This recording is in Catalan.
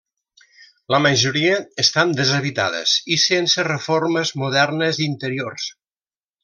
La majoria estan deshabitades i sense reformes modernes interiors.